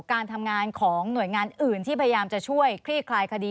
การทำงานของหน่วยงานอื่นที่พยายามจะช่วยคลี่คลายคดี